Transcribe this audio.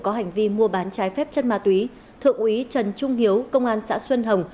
có hành vi mua bán trái phép chất ma túy thượng úy trần trung hiếu công an xã xuân hồng